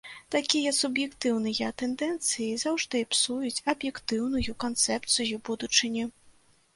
Такія суб'ектыўныя тэндэнцыі заўжды псуюць аб'ектыўную канцэпцыю будучыні.